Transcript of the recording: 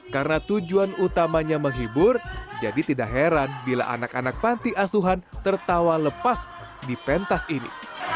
karena tujuan utamanya menghibur jadi tidak heran bila anak anak panti asuhan tertawa lepas di pentas ini